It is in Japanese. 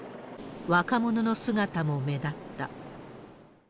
若者の姿も目立った。